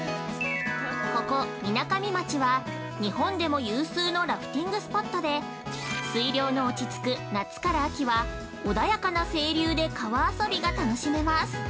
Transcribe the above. ◆ここ、みなかみ町は日本でも有数のラフティングスポットで水量の落ちつく夏から秋は穏やかな清流で川遊びが楽しめます。